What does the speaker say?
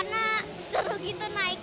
karena seru gitu naik gitu